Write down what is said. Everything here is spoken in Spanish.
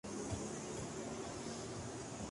Recorrió durante dos años la provincia de Entre Ríos.